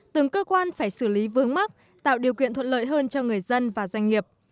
từng cơ quan phải xử lý vướng mắc tạo điều kiện thuận lợi hơn cho người dân và doanh nghiệp